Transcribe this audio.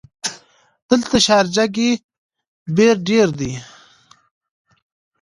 دلته شارجه ګې بیړ ډېر ده.